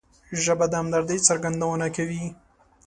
ژبه د همدردۍ څرګندونه کوي